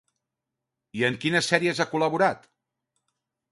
I en quines sèries ha col·laborat?